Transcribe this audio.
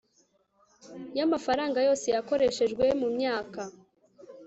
y amafaranga yose yakoreshejwe mu myaka